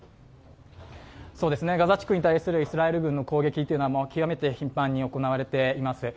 ガザ地区に対するイスラエル軍の攻撃というのは極めて頻繁に行われています。